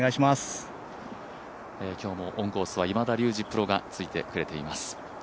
今日もオンコースは今田竜二プロがついてくれています。